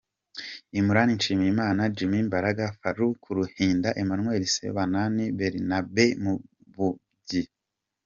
Imran Nshimiyimana, Jimmy Mbaraga, Farouk Ruhinda, Emmanuel Sebanani, Barnabe Mubumbyi.